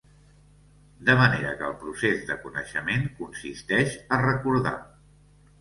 ...de manera que el procés de coneixement consisteix a recordar.